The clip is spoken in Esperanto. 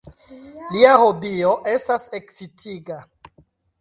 Lia hobio estas ekscitiga.